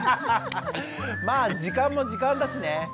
まあ時間も時間だしね。